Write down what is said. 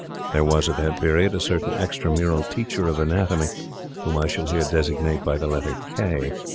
There was, at that period, a certain extramural teacher of anatomy, whom I shall here designate by the letter K.